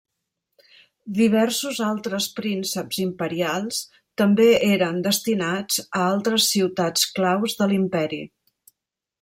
Diversos altres prínceps imperials també eren destinats a altres ciutats claus de l'imperi.